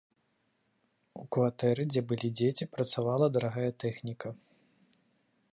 У кватэры, дзе былі дзеці, працавала дарагая тэхніка.